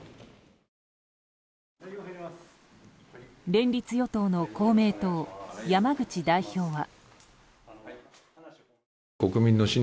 連立与党の公明党・山口代表は。